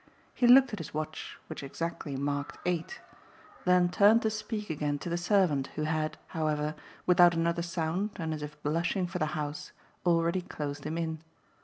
He looked at his watch, which exactly marked eight, then turned to speak again to the servant, who had, however, without another sound and as if blushing for the house, already closed him in.